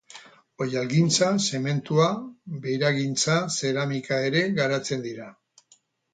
Oihalgintza, zementua, beiragintza, zeramika ere garatzen dira.